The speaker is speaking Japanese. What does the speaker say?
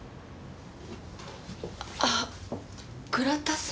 あっ倉田さん。